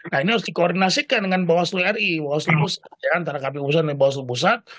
nah ini harus dikoordinasikan dengan bawaslu ri bawaslu pusat antara kpu pusat dan bawaslu pusat